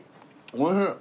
おいしい。